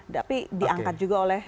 tapi diangkat juga oleh